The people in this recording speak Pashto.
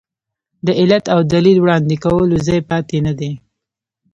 د علت او دلیل وړاندې کولو ځای پاتې نه دی.